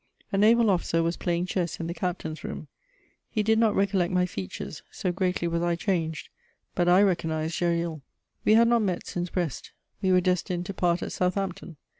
A naval officer was playing chess in the captain's room; he did not recollect my features, so greatly was I changed; but I recognised Gesril. We had not met since Brest; we were destined to part at Southampton.